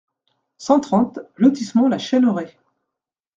cent trente lotissement la Chêneraie